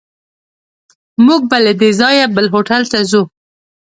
موږ به له دې ځایه بل هوټل ته ځو.